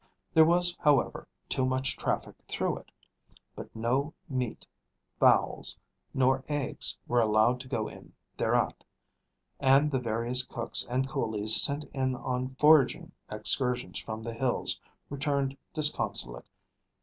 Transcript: There was, however, too much traffic through it. But no meat, fowls, nor eggs were allowed to go in thereat, and the various cooks and coolies sent in on foraging excursions from the hills returned disconsolate.